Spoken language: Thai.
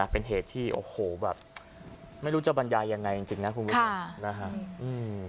เป็นเหตุที่ไม่รู้จะบรรยายังไงจริงนะครับคุณวิว